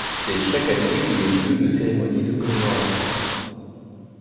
C'est chaque année le lieu de cérémonies de commémoration.